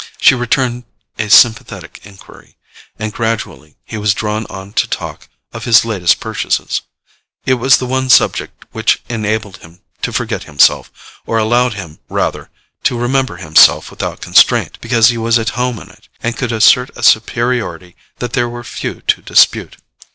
She returned a sympathetic enquiry, and gradually he was drawn on to talk of his latest purchases. It was the one subject which enabled him to forget himself, or allowed him, rather, to remember himself without constraint, because he was at home in it, and could assert a superiority that there were few to dispute.